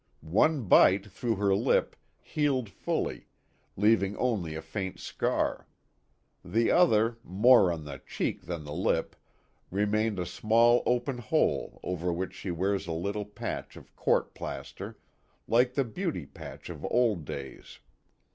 One bite through her lip healed fully, leaving only a faint scar ; the other, more on the cheek than the lip, remained a small open hole over which she wears a little patch of court plaster, like the " beauty patch " of old days.